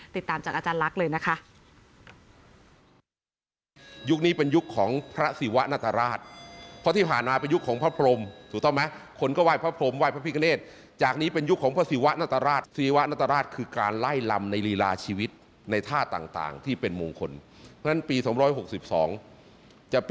ติดตามจากอาจารย์ลักษณ์เลยนะคะ